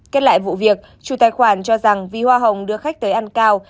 kết lại vụ việc chủ tài khoản cho rằng vì hoa hồng đưa khách tới ăn cao